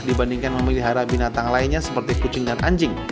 dibandingkan memelihara binatang lainnya seperti kucing dan anjing